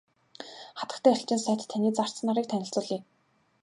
Хатагтай элчин сайд таны зарц нарыг танилцуулъя.